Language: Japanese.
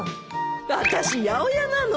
私八百屋なの。